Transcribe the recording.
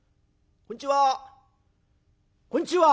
「こんちは。